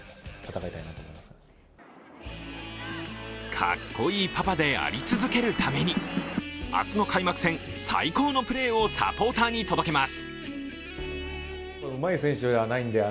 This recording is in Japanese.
かっこいいパパであり続けるために明日の開幕戦、最高のプレーをサポーターに届けます。